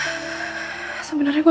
kok sampai kayak gini banget